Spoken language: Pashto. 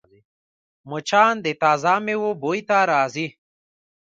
مچان د تازه میوو بوی ته راځي